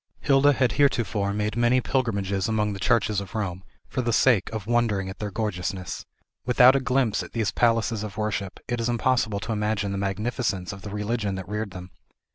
Hilda had heretofore made many pilgrimages among the churches of Rome, for the sake of wondering at their gorgeousness. Without a glimpse at these palaces of worship, it is impossible to imagine the magnificence of the religion that reared them.